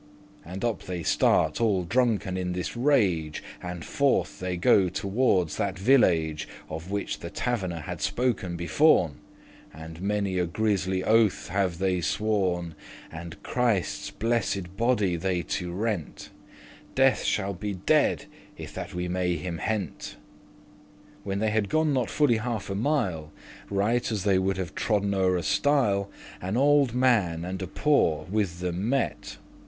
And up they start, all drunken, in this rage, And forth they go towardes that village Of which the taverner had spoke beforn, And many a grisly* oathe have they sworn, *dreadful And Christe's blessed body they to rent;* *tore to pieces <7> "Death shall be dead, if that we may him hent."* *catch When they had gone not fully half a mile, Right as they would have trodden o'er a stile, An old man and a poore with them met.